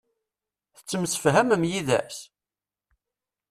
Tettemsefhamem yid-s?